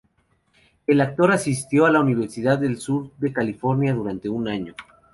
El actor asistió a la Universidad del Sur de California durante un año.